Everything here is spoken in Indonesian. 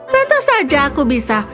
tentu saja aku bisa